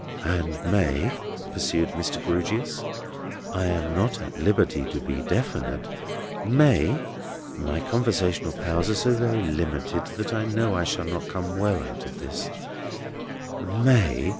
"And May!" pursued Mr. Grewgious—"I am not at liberty to be definite—May!—my conversational powers are so very limited that I know I shall not come well out of this—May!